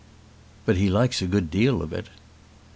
"But he likes a good deal of it."